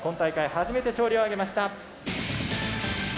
初めて勝利を挙げました。